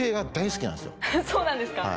そうなんですか。